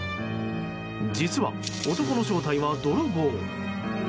実は、男の正体は泥棒。